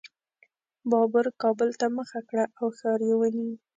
بابر کابل ته مخه کړه او ښار یې ونیو.